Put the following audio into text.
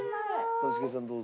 一茂さんどうぞ。